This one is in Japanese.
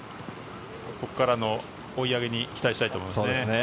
ここからの追い上げに期待したいと思いますね。